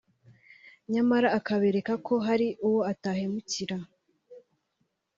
nyamara akabereka ko hari uwo atahemukira